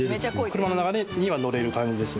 車の流れにはのれる感じです。